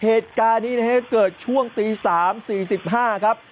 เหตุการณ์นี้นะครับเกิดช่วงตี๓๔๕ครับ